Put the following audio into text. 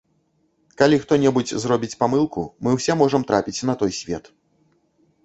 Калі хто-небудзь зробіць памылку, мы ўсе можам трапіць на той свет.